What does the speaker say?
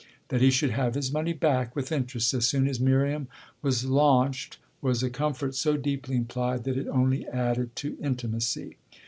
That he should have his money back with interest as soon as Miriam was launched was a comfort so deeply implied that it only added to intimacy.